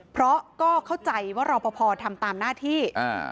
เพราะก็เข้าใจว่ารอปภทำตามหน้าที่